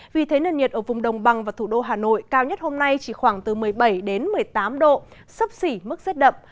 vì thế nền nhiệt ở vùng đồng bằng và thủ đô hà nội cao nhất hôm nay chỉ khoảng từ một mươi bảy đến một mươi tám độ sấp xỉ mức rét đậm